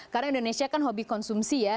karena indonesia kan hobi konsumsi ya